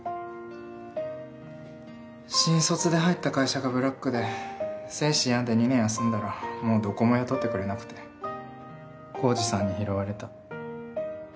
新卒で入った会社がブラックで精神病んで２年休んだらもうどこも雇ってくれなくて晃司さんに拾われた。